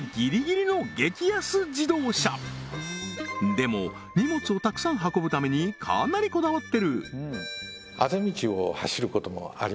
でも荷物をたくさん運ぶためにかなりこだわってる！